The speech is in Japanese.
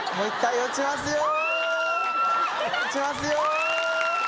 落ちますよ！